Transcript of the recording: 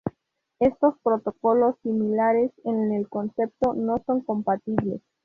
Estos protocolos, similares en el concepto, no son compatibles.